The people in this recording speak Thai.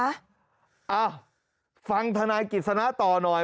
อ้าวฟังธนายกิจสนาศรีต่อหน่อย